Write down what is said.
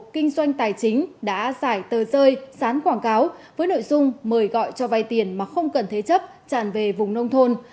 kinh doanh tài chính đã giải tờ rơi dán quảng cáo với nội dung mời gọi cho vay tiền mà không cần thế chấp tràn về vùng nông thôn